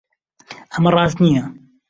ئەمە ڕاست نییە.